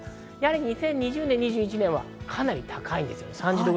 ２０２０年、２０２１年はかなり高いです。